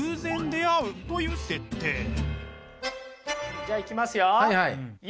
じゃあいきますよ。